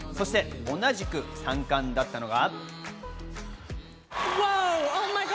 同じく三冠だったのは。